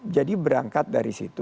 jadi berangkat dari situ